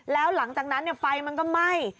แล้วหลังจากนั้นไฟมันก็ไหม้